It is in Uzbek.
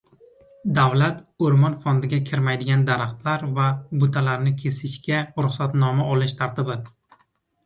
Davlat o‘rmon fondiga kirmaydigan daraxtlar va butalarni kesishga ruxsatnoma olish tartibi